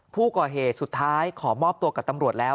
ผู้ก่อเหตุสุดท้ายขอมอบตัวกับตำรวจแล้ว